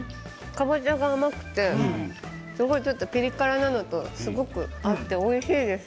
かぼちゃが甘くてすごいピリ辛なのとすごく合っておいしいです